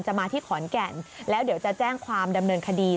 มาที่ขอนแก่นแล้วเดี๋ยวจะแจ้งความดำเนินคดี